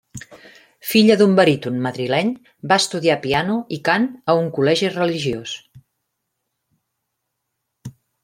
Filla d'un baríton madrileny, va estudiar piano i cant a un col·legi religiós.